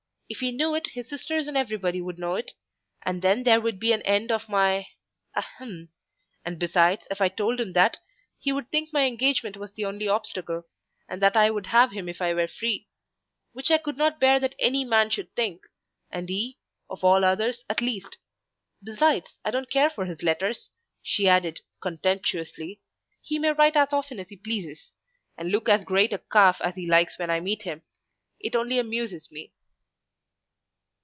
"If he knew it, his sisters and everybody would know it, and then there would be an end of my—ahem! And, besides, if I told him that, he would think my engagement was the only obstacle, and that I would have him if I were free; which I could not bear that any man should think, and he, of all others, at least. Besides, I don't care for his letters," she added, contemptuously; "he may write as often as he pleases, and look as great a calf as he likes when I meet him; it only amuses me."